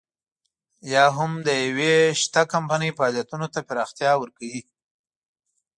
یا هم د يوې شته کمپنۍ فعالیتونو ته پراختیا ورکوي.